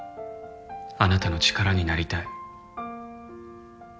「あなたの力になりたい」